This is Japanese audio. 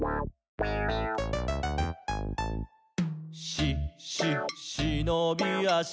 「し・し・しのびあし」